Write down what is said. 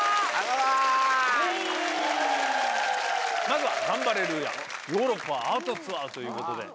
まずは「ガンバレルーヤのヨーロッパアートツアー」ということで。